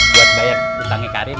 buat bayar hutangnya karim